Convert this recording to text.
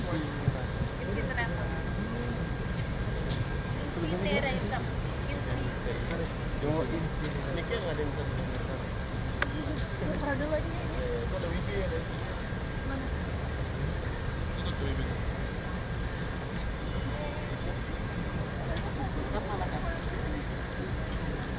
untuk melakukan sampling